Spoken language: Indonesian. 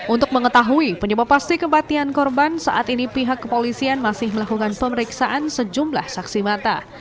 untuk mengetahui penyebab pasti kematian korban saat ini pihak kepolisian masih melakukan pemeriksaan sejumlah saksi mata